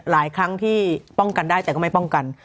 หลายครั้งที่ป้องกันได้แต่ก็ไม่ป้องกัน